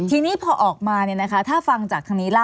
ทีนี้พอออกมาเนี่ยนะคะถ้าฟังจากทางนี้